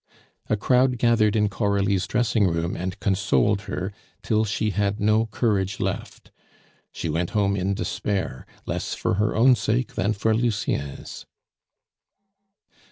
A crowd gathered in Coralie's dressing room and consoled her, till she had no courage left. She went home in despair, less for her own sake than for Lucien's.